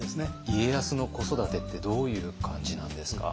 家康の子育てってどういう感じなんですか？